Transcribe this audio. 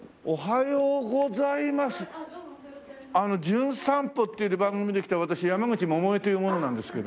『じゅん散歩』っていう番組で来た私山口百恵という者なんですけど。